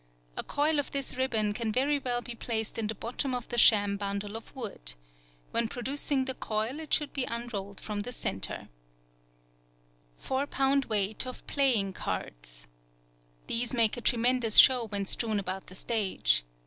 A coil of this ribbon can very well be placed in the bottom of the sham bundle of wood. When producing the coil it should be unrolled from the center. Four pound weight of playing cards.—These make a tremendous show when strewn about the stage.